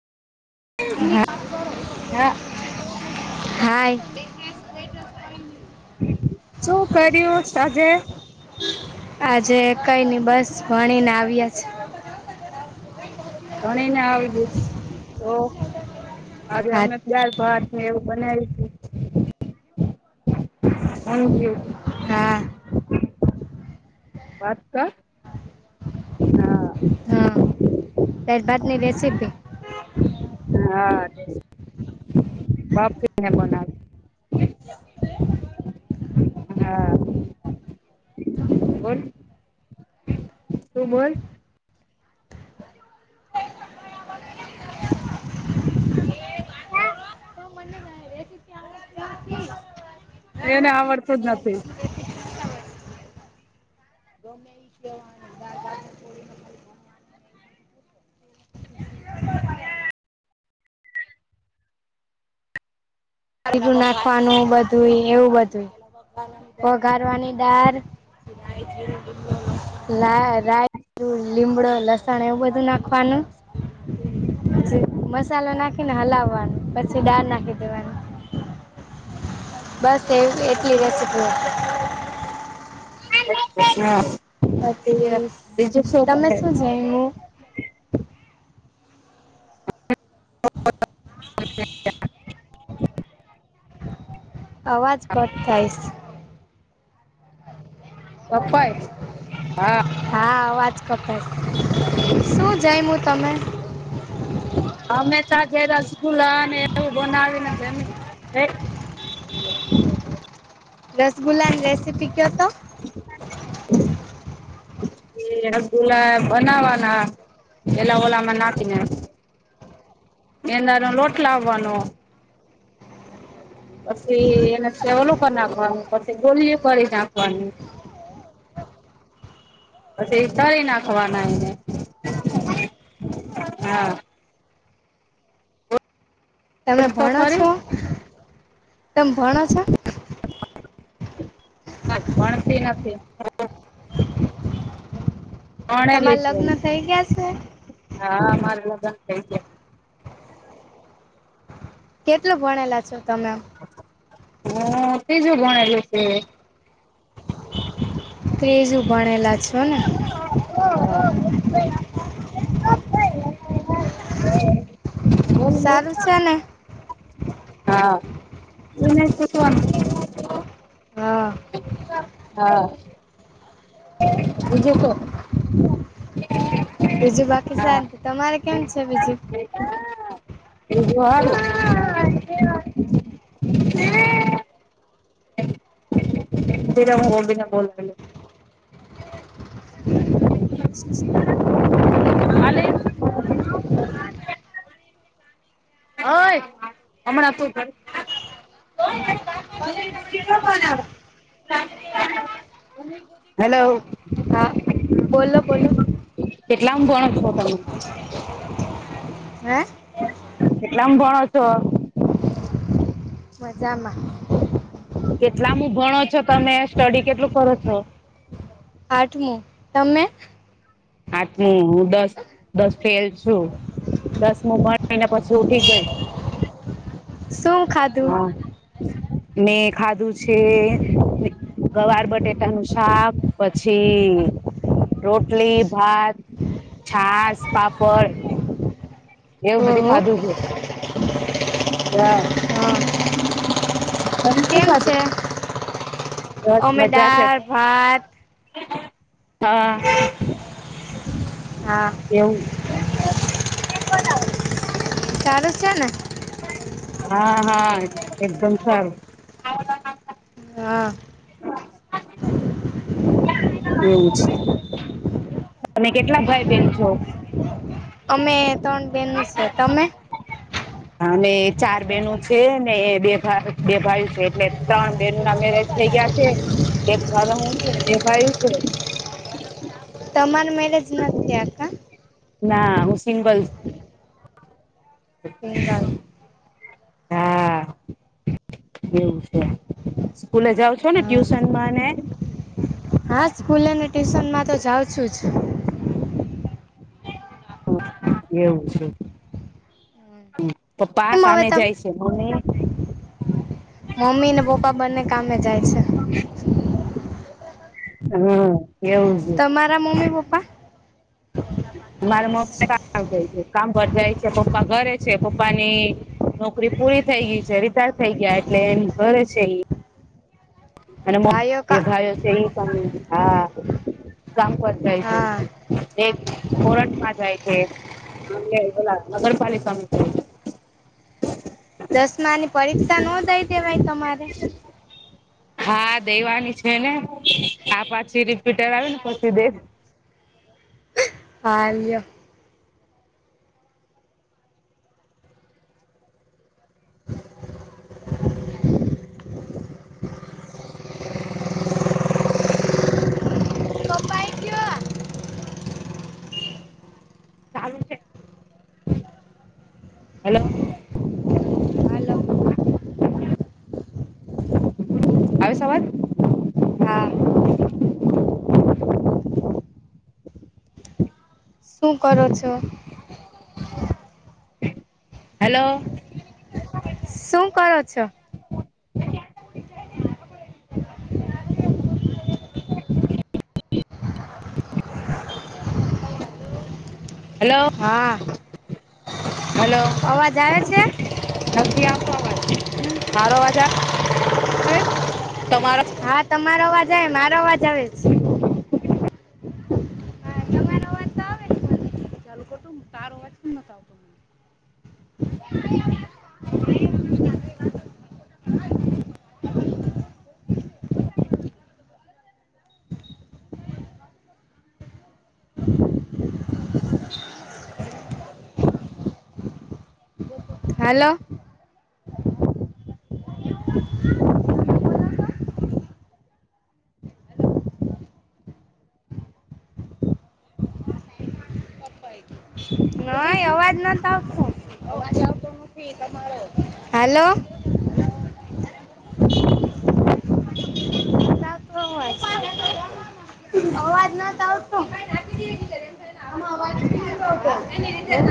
હા હાય શું કર્યું સાજે આજે કઈ નઈ બસ ભણી ને આવ્યા જ ભણીને આવીશ તો આજે હા અમે દાળ ભાત મે એવું બનાવી થઈ ગ્યું હા વાત કર હા દાળભાતની રેસીપી હા તે બાફીને બનાવે હા બોલ તું બોલ એને આવડતુજ નથી ગમે ઈ કેવાનું નાખવાનું બધુંય એવું બધુંય વઘારવાની દાળ લા રાય લીમડો લસણ એવું બધું નાખવાનું પછી, મસાલો નાખીને હલાવવાનું, પછી દાળ નાખી દેવાની બસ એવું કે એટલી [unintelligible] હેપ્પી ન્યુ યર બીજું પછી શું તમે બોલાય જમ્યું હા [inaudible] અવાજ કટ થાયશ કપાય હા હા અવાજ કપાય, શું જયમૂ તમે હંમેશા જ સ્કૂલ ને એવું બનાવીને રસગુલ્લાન રેસીપી કયો તો એ રસગુલ્લા બનાવવાના, એલા ઓલામાં નાખીને એ નરમ લોટ લાવવાનો પછી એને સેવલો કર નાખવાનું પછી ગોલીઓ કરી નાખવાની પછી તાળી નાખવાના એને, હા તમે બોલ તો ભણો ખરી છો, તમ ભણો છો. ના ભણતી નથી હું. પરણેલી તમારા છું લગ્ન થઈ ગયા છે હા મારે લગન થઈ ગ્યા. કેટલું ભણેલા છો તમે. હું ત્રીજું ભણેલી છે. ત્રીજું ભણેલા છો ને. હ હ હ બોલ બોલ સારું છે ને. હા ઉને કૂટવાનું હા. હા. બીજી કોલેજ. બીજું બાકી શાંતિ, તમારે કેમ છે બીજું? બીજું હારુ છે [inaudible] હુઈ જા હું બોલબી ને કોલ કરું. [inaudible] આલે ઓય હમણા તું [inaudible] [unintelligible] હેલો હલો. હા. બોલો બોલો. કેટલામ ભણે છો તમે? હે? કેટલામ ભણો છો? હું મજામાં. કેટલામુ ભણો છો તમે, સ્ટડી કેટલું કરો છો? આઠમું, તમે? આઠમું, હું દસ દસ ફેલ છું દસમુું ભણીને પછી ઉઠી ગય. શું ખાધું હા, મેં ખાધું છે ગવાર બટેટાનું શાક પછી રોટલી, ભાત, છાસ, પાપડ. એવું બધું ઓહો ખાધું હે. હા, હા તમે શું કેમ ખાધું? છે બસ અમે મજા છે. દાળ ભાત હા. હા. એવું! સારું સે ને? હા હા એકદમ સારું. હા. એવું છે. તમે કેટલા ભાઈ બેન છો? અમે ત્રણ બેનું છે, તમે? [inaudible] અને ચાર બેનો છે ને એ બે બે ભાઈ છે એટલે ત્રણ બહેનોના મેરેજ થઈ ગયા છે એક ઘરે હું છું અને બે ભાયુ છે. તમાર મેરેજ નથ થયા કા? ના હું સિંગલ. સિંગલ હા. એવું છે સ્કૂલે જાવ છો ને હા ટ્યુશનમાં ને હા સ્કૂલેને ટ્યુશનમાં તો જાઉં છું જ. એવું છે પપ્પા આ કેમ હવે કામે તમ જાયશે. ને મમ્મી? મમ્મી ને પપ્પા બંને કામે જાય છે. હ એવું. છે મારા મમ્મી પપ્પા? મારા મમ્મી કામ જાય છે કામ પર જાય છે પપ્પા ઘરે છે પપ્પાની નોકરી પૂરી થઈ ગય છે રીટાયર થઈ ગયા એટલે એમ ઘરે છે ઈ. અને મ ભાઈઓ બે કા ભાયો છે ઈ કામે હા. કામ પર જાય હે. હા એક કોરટમાં જાય છે અને ઓલા નગરપાલિકામાં જાય છે. [inaudible] દસમાની પરીક્ષા નો દઈ દેવાય તમારે? હા દેવાની છે ને, આ પાછી રિપીટર આવેને પછી દે. હા રહ્યો. ચાલું છે. હલો. હાલો આવે શે અવાજ? હા. શું કરો છો? હેલો. શું કરો છો? હલો, હા હલો. અવાજ આવે છે નથી આવતો અવાજ, મારો અવાજ આ આવેછ તમારો જ હા તમારો અવાજ આવે મારો અવાજ આવે જ. હા તમારો અવાજ તો આવે જ મને ચાલુ કુટુંમ તારો અવાજ. હલો. નય અવાજ નથ આવતો, અવાજ આવતો નથી. હાલો. [unintelligible] અવાજ નાથ આવતો, આમાં અવાજ નથ આવતો. [inaudible]